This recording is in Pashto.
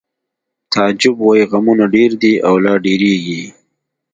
تعجب وایی غمونه ډېر دي او لا ډېرېږي